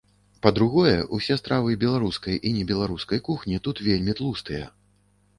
Па-другое, усе стравы беларускай і небеларускай кухні тут вельмі тлустыя.